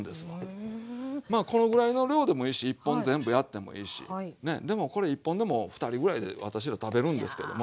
まあこのぐらいの量でもいいし１本全部やってもいいしねでもこれ１本でも２人ぐらいで私ら食べるんですけども。